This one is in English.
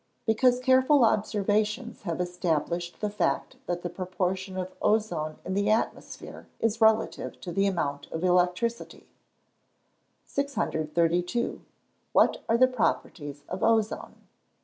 _ Because careful observations have established the fact that the proportion of ozone in the atmosphere is relative to the amount of electricity. 632. _What are the properties of ozone?